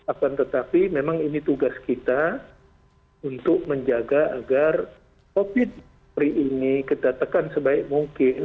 akan tetapi memang ini tugas kita untuk menjaga agar covid sembilan belas ini kita tekan sebaik mungkin